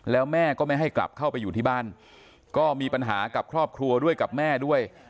แล้วแม่ก็ไม่ให้กลับเข้าไปอยู่ที่บ้านก็มีปัญหากับครอบครัวด้วยกับแม่ด้วย